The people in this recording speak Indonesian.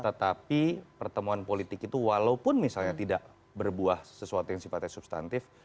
tetapi pertemuan politik itu walaupun misalnya tidak berbuah sesuatu yang sifatnya substantif